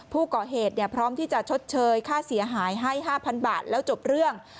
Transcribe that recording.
ผู้เกาะเหตุพร้อมที่จะชดเชยค่าเสียหายให้๕๐๐๐บาทแล้วจบเรื่อง